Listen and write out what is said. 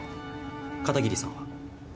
片桐さんは？